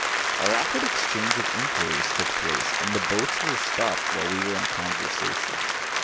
A rapid exchange of inquiries took place, and the boats were stopped while we were in conversation.